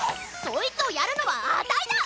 そいつをやるのはあたいだ！